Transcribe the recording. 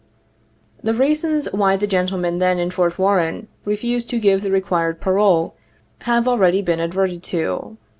" The reasons why the gentlemen then in Fort Warren refused to give the required parole, have already been ad verted to.